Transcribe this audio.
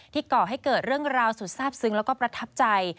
ก่อให้เกิดเรื่องราวสุดทราบซึ้งแล้วก็ประทับใจ